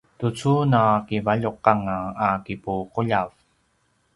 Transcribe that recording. tucu nakivaljuq anga a kipuquljav